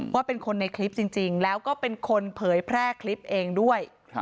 ว่าเป็นคนในคลิปจริงแล้วก็เป็นคนเผยแพร่คลิปเองด้วย